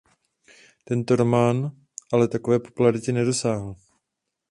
Tento román ale takové popularity nedosáhl.